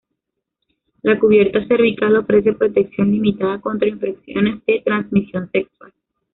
La cubierta cervical ofrece protección limitada contra infecciones de transmisión sexual.